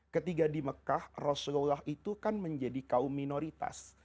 ketika di mekah rasulullah itu kan menjadi kaum minoritas